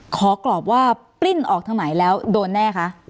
กรอบว่าปลิ้นออกทางไหนแล้วโดนแน่คะ